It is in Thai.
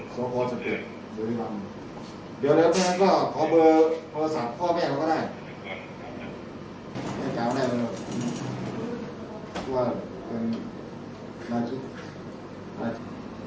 เขาเปิดที่นี่